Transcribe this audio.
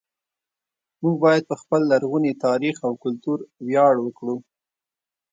موږ باید په خپل لرغوني تاریخ او کلتور ویاړ وکړو